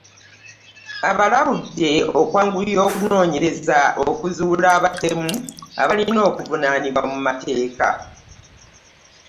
Abalabudde okwanguya okunoonyereza okuzuula abatemu abalina okuvunaanibwa mu mateeka.